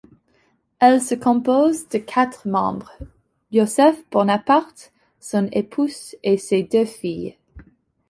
Elle se compose de quatre membres, Joseph Bonaparte, son épouse et ses deux filles.